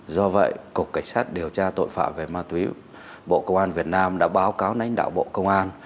do vậy cục cảnh sát điều tra tội phạm về ma túy bộ công an việt nam đã báo cáo đánh đạo bộ công an